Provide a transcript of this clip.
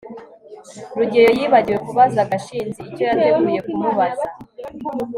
rugeyo yibagiwe kubaza gashinzi icyo yateguye kumubaza